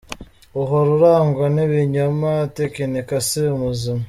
Uhora arangwa n’ibinyoma, atekinika, si muzima.